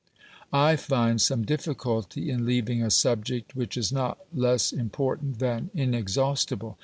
I find some difficulty in leaving a subject which is not less important than inexhaustible.